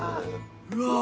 うわ。